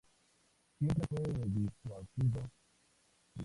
Siempre fue disuadido por los hermanos, su confesor y por otros religiosos.